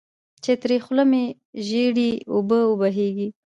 چې تر خوله مې ژېړې اوبه وبهېږي.